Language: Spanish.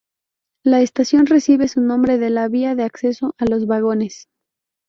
La estación recibe su nombre de la vía de acceso a los vagones.